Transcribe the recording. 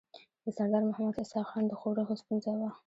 د سردار محمد اسحق خان د ښورښ ستونزه وه.